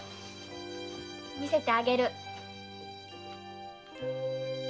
見せてあげる。